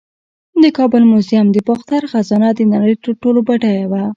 د کابل میوزیم د باختر خزانه د نړۍ تر ټولو بډایه وه